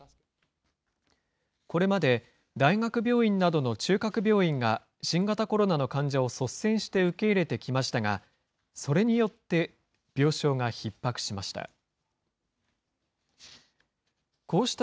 これまで大学病院などの中核病院が、新型コロナの患者を率先して受け入れてきましたが、それによって、病床がひっ迫しました。